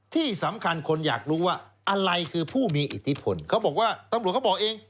ที่สำคัญคนอยากรู้ว่าอะไรคือผู้มีอิทธิพลเขาบอกว่าตำรวจเขาบอกเอง